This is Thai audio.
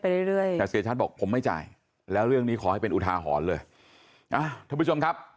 แต่เสียชัดบอกผมไม่จ่ายแล้วเรื่องนี้ขอให้เป็นอุทาหอนเลย